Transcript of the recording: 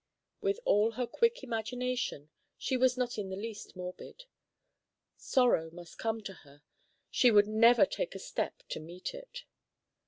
With all her quick imagination, she was not in the least morbid. Sorrow must come to her, she would never take a step to meet it.